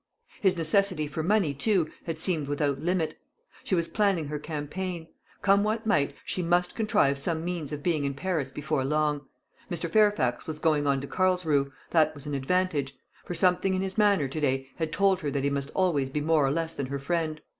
His necessity for money, too, had seemed without limit. She was planning her campaign. Come what might, she must contrive some means of being in Paris before long. Mr. Fairfax was going on to Carlsruhe, that was an advantage; for something in his manner to day had told her that he must always be more or less than her friend.